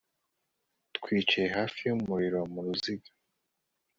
Twicaye hafi yumuriro muruziga